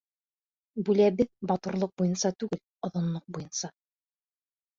Бүләбеҙ матурлыҡ буйынса түгел, оҙонлоҡ буйынса!